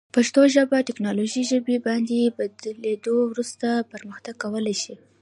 پښتو ژبه تکنالوژي ژبې باندې بدلیدو وروسته پرمختګ کولی شي.